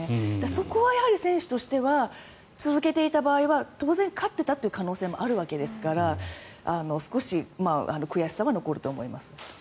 そこは選手としては続けていた場合は当然勝っていたという可能性もあるわけですから少し悔しさは残ると思います。